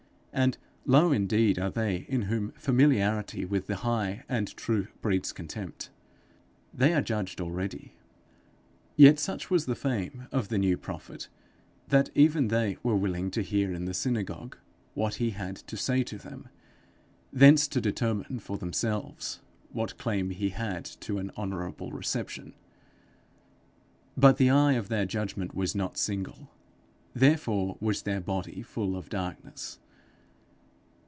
and low indeed are they in whom familiarity with the high and true breeds contempt! they are judged already. Yet such was the fame of the new prophet, that even they were willing to hear in the synagogue what he had to say to them thence to determine for themselves what claim he had to an honourable reception. But the eye of their judgment was not single, therefore was their body full of darkness.